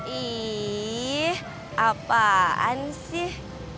ih apaan sih